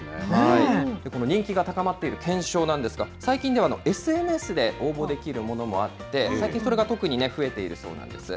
この人気が高まっている懸賞なんですが、最近ではＳＮＳで応募できるものもあって、最近、それが特にね、増えているそうなんです。